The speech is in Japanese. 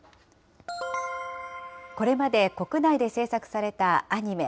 これまで国内で制作されたアニメ